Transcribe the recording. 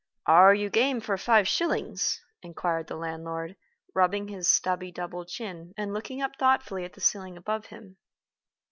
"Are you game for five shillings?" inquired the landlord, rubbing his stubby double chin and looking up thoughtfully at the ceiling above him.